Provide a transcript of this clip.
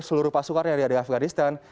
seluruh pasukannya dari afghanistan